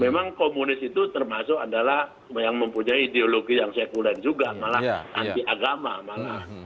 memang komunis itu termasuk adalah yang mempunyai ideologi yang sekulen juga malah anti agama malah